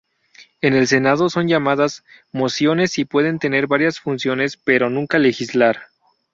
En el Senado son llamadas "mociones" y pueden tener varias funciones, pero nunca legislar.